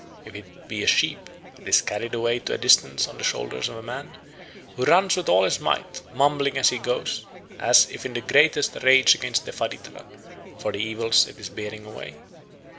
If it be a sheep, it is carried away to a distance on the shoulders of a man, who runs with all his might, mumbling as he goes, as if in the greatest rage against the faditra, for the evils it is bearing away.